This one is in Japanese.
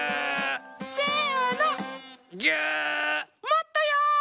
もっとよ！